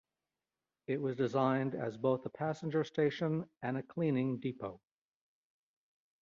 It was designed as both a passenger station and a cleaning depot.